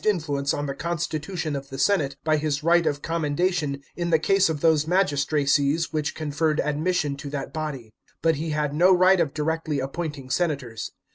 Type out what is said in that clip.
387 influence on the constitution of the senate by his right of com mendation in the case of those magistracies which conferred admission to that body. But he had no right of directly appointing senators.